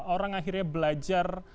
orang akhirnya belajar